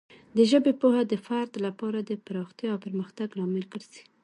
د ژبې پوهه د فرد لپاره د پراختیا او پرمختګ لامل ګرځي.